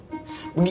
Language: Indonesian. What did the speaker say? bukan disikat begini